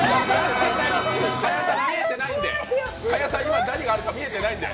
賀屋さん、今何があるか見えてないんで。